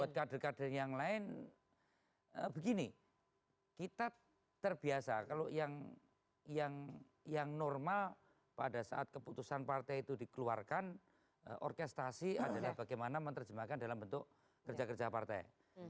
buat kader kader yang lain begini kita terbiasa kalau yang normal pada saat keputusan partai itu dikeluarkan orkestasi adalah bagaimana menerjemahkan dalam bentuk kerja kerja partai